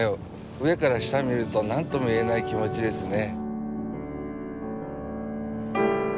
上から下見ると何とも言えない気持ちですね。